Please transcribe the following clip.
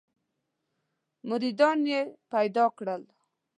مریدان یې پیدا کړل.